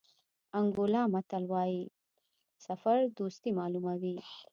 انګولا متل وایي سفر دوستي معلوموي.